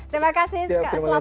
terima kasih selamat malam